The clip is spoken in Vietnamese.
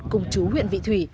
cùng chú huyện vị thủy